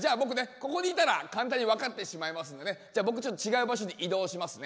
ここにいたら簡単に分かってしまいますので僕ちょっと違う場所に移動しますね。